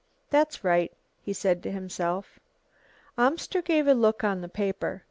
"That's right," he said to himself. Amster gave a look on the paper.